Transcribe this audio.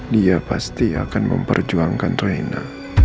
dia pasti akan memperjuangkan raina